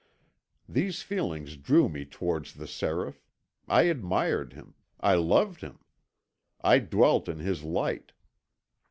These feelings drew me towards the Seraph. I admired him, I loved him. I dwelt in his light.